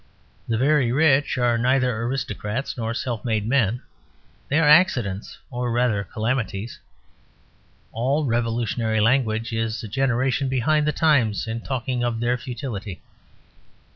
The very rich are neither aristocrats nor self made men; they are accidents or rather calamities. All revolutionary language is a generation behind the times in talking of their futility.